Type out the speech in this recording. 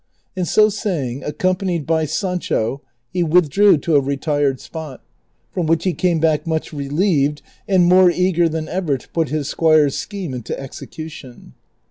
And so say ing, accompanied by Sanclio, he withdrew to a retired spot, from which he came back much relieved and more eager than ever to put his squire's scheme into execution.